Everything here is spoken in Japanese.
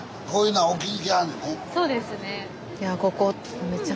そうですね。